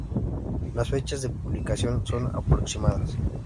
Las fechas de publicación son aproximadas.